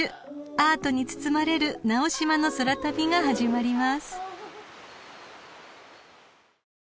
［アートに包まれる直島の空旅が始まります］